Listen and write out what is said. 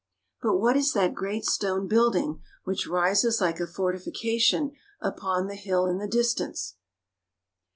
But what is that great stone building which rises like a fortification upon the hill in the distance